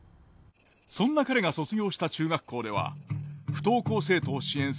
そんな彼が卒業した中学校では不登校生徒を支援する教室